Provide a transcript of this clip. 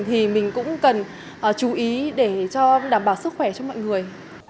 thì mình cũng cần chú ý để cho đảm bảo sức khỏe cho mọi người